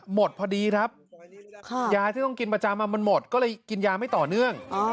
หมดพอดีครับยาที่ต้องกินประจำมันหมดก็เลยกินยาไม่ต่อเนื่อง